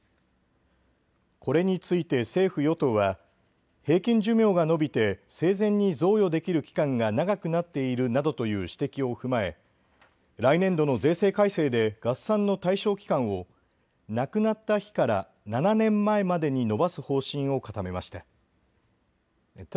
これについて政府与党は平均寿命が延びて生前に贈与できる期間が長くなっているなどという指摘を踏まえ、来年度の税制改正で合算の対象期間を亡くなった日から７年前までに延ばす方針を固めました。